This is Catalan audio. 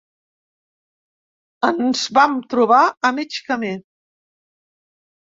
Ens vam trobar a mig camí.